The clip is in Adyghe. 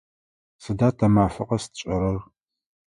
Сыда тэ мафэ къэс тшӏэрэр?